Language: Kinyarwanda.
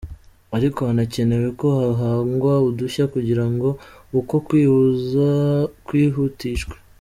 Ariko hanakenewe ko hahangwa udushya kugira ngo uko kwihuza kwihutishwe.